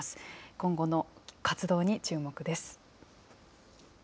今後の活動に注目です。